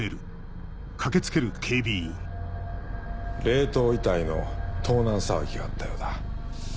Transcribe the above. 冷凍遺体の盗難騒ぎがあったようだ。